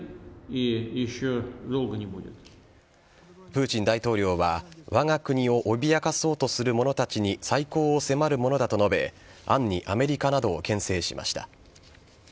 プーチン大統領はわが国を脅かそうとする者たちに再考を迫るものだと述べ暗にアメリカなどをけん制しました。